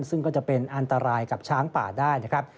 ซึ่งก็จะเป็นอันตรายกับช้างป่าได้นะครับ